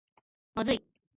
まずい